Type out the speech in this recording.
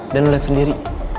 dan lo liat sendiri